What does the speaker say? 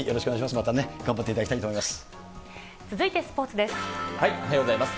またね、頑張っていただきたいと思います。